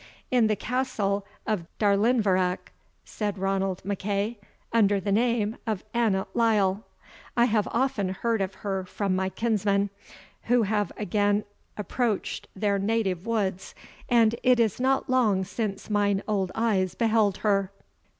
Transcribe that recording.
"In the Castle of Darlinvarach," said Ranald MacEagh, "under the name of Annot Lyle. I have often heard of her from my kinsmen, who have again approached their native woods, and it is not long since mine old eyes beheld her."